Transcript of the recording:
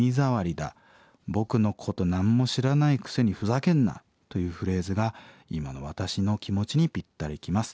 僕のことなんも知らないくせにふざけんな』というフレーズが今の私の気持ちにぴったりきます。